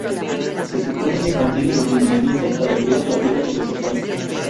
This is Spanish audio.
Se supone que contiene los lineamientos para crear la Piedra filosofal.